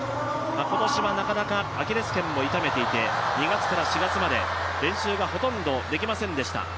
今年はなかなかアキレス腱も痛めていて２月から４月まで、練習がほとんどできませんでした。